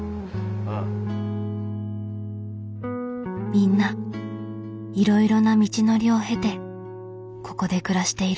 みんないろいろな道のりを経てここで暮らしている。